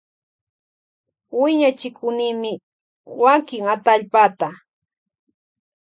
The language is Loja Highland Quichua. Wiñachikunimi wakin atallpata.